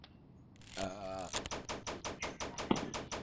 瓦尔泽亚阿莱格里是巴西塞阿拉州的一个市镇。